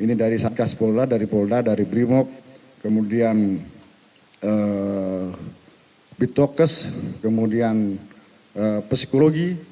ini dari satgas polda dari polda dari brimob kemudian bitokes kemudian psikologi